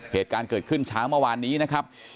เหตุการณ์เกิดขึ้นเช้าเมื่อวานนี้นะครับ